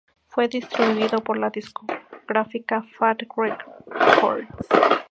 Fue distribuido por la discográfica Fat Wreck Chords.